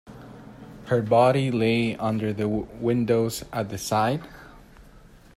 Her body lay under the windows at the side?